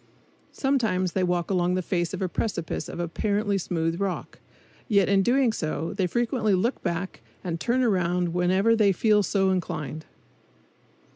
Sometimes they walk along the face of a precipice of apparently smooth rock; yet in doing so they frequently look back and turn around whenever they feel so inclined.